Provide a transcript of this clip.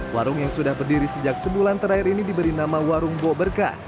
warung yang sudah berdiri sejak sebulan terakhir ini diberi nama warung bokberkah